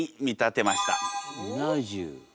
うな重。